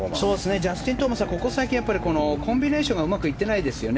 ジャスティン・トーマスはここ最近コンビネーションがうまくいってないですよね。